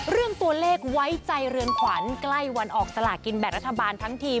เรื่องตัวเลขไว้ใจเรือนขวัญใกล้วันออกสลากินแบ่งรัฐบาลทั้งที